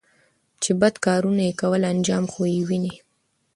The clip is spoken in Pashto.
چې بد کارونه يې کول انجام خو به یې ویني